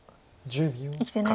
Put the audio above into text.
生きてないと。